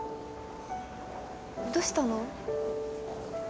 どしたの？